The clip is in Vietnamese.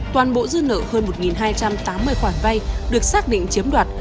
toàn bộ dư nợ hơn một hai trăm tám mươi khoản vay được xác định chiếm đoạt